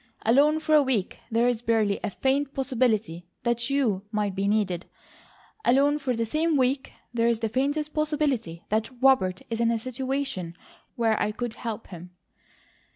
Alone for a week, there is barely a FAINT possibility that YOU might be needed. Alone for the same week, there is the faintest possibility that ROBERT is in a situation where I could help him."